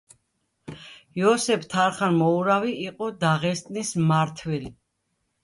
იოსებ თარხან-მოურავი იყო დაღესტნის მმართველი.